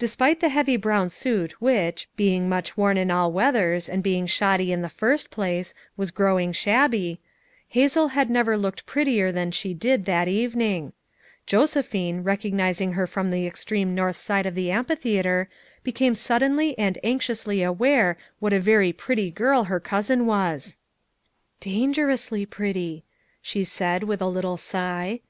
Despite the heavy brown suit which, being much worn in all weathers and being shoddy in the first place, was growing shabby, Hazel had never looked prettier than she did # that evening, Josephine, recognizing her from the extreme north side of the amphitheatre, be came suddenly and anxiously aware what a very pretty girl her cousin was. " Dangerously pretty/' she said with a little sigh.